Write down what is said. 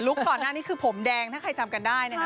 ก่อนหน้านี้คือผมแดงถ้าใครจำกันได้นะฮะ